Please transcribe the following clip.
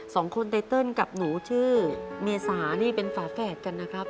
สองคนไตเติลกับหนูชื่อเมษานี่เป็นฝาแฝดกันนะครับ